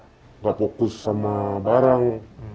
tidak fokus sama barang